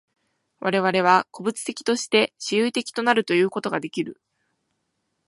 我々は個物的として思惟的となるということができる。